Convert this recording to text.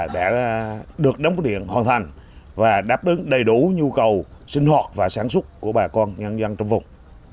đã được đóng góp điện hoàn thành và đáp ứng đầy đủ nhu cầu sinh hoạt và sản xuất của bà con nhân dân trong vùng